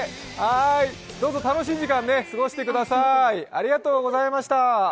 どうぞ楽しい時間、過ごしてください。